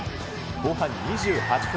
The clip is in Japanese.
後半２８分。